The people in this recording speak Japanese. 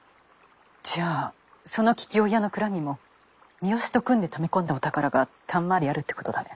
じゃあその桔梗屋の蔵にも三好と組んでため込んだお宝がたんまりあるってことだね？